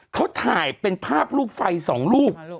เขาถ่ายเป็นภาพลูกไฟ๒ลูก